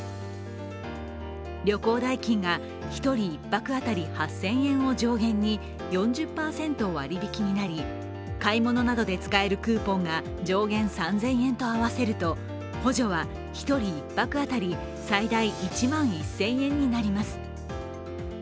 旅行代金が１人１泊当たり８０００円を上限に４０％割引となり買い物などで使えるクーポンが上限３０００円と合わせると補助は１人１泊当たり最大１万１０００円になります。